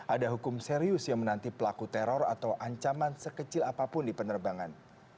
ada hukum serius yang menanti pelaku teror atau ancaman sekecil apapun di penerbangan